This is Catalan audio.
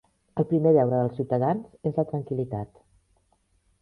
El primer deure dels ciutadans és la tranquil·litat.